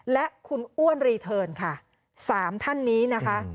และคุณอ้วนรีเทิร์นค่ะสามท่านนี้นะคะ